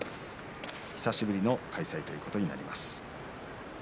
久しぶりの開催ということになります。